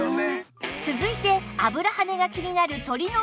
続いて油はねが気になる鶏のもも焼き